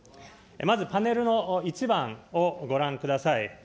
まずパネルの１番をご覧ください。